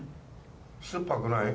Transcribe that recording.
すっぱくない？